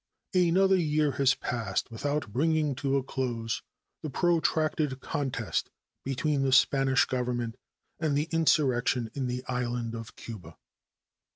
Another year has passed without bringing to a close the protracted contest between the Spanish Government and the insurrection in the island of Cuba.